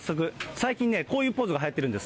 最近ね、こういうポーズがはやってるんです。